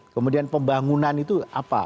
kemudian pembangunan itu apa